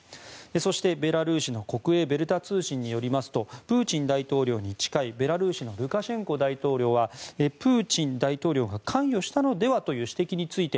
そしてベラルーシの国営ベルタ通信によりますとプーチン大統領に近いベラルーシルカシェンコ大統領はプーチン大統領が関与したのではという指摘について